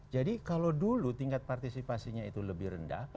jadi kalau dulu tingkat partisipasinya itu lebih rendah